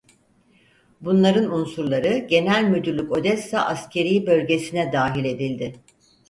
Bunların unsurları Genel Müdürlük Odessa Askerî Bölgesi'ne dahil edildi.